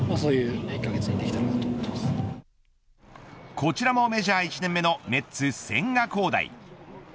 こちらもメジャー１年目のメッツ、千賀滉大。